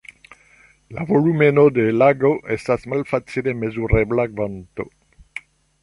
La volumeno de lago estas malfacile mezurebla kvanto.